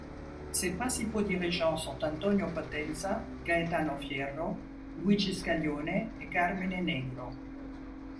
Ses principaux dirigeants sont Antonio Potenza, Gaetano Fierro, Luigi Scaglione et Carmine Negro.